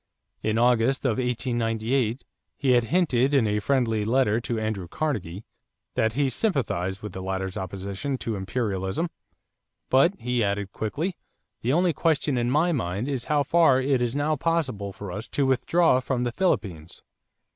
In August of 1898 he had hinted, in a friendly letter to Andrew Carnegie, that he sympathized with the latter's opposition to "imperialism"; but he had added quickly: "The only question in my mind is how far it is now possible for us to withdraw from the Philippines."